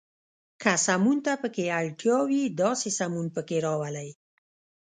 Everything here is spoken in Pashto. که سمون ته پکې اړتیا وي، داسې سمون پکې راولئ.